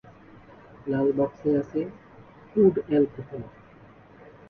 লাল বক্সে আছে would alcohol.